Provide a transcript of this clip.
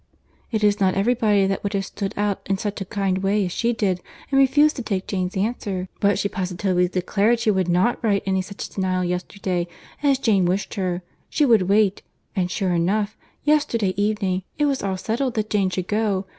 It is not every body that would have stood out in such a kind way as she did, and refuse to take Jane's answer; but she positively declared she would not write any such denial yesterday, as Jane wished her; she would wait—and, sure enough, yesterday evening it was all settled that Jane should go.